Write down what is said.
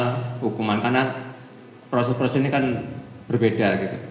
dan hal hukuman karena proses proses ini kan berbeda